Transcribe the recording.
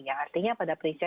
yang artinya pada perisian